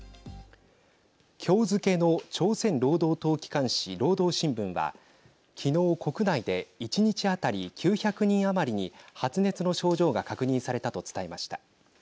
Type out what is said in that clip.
きょう付けの朝鮮労働党機関紙労働新聞はきのう国内で１日当たり９００人余りに発熱の症状が確認されたと伝えました。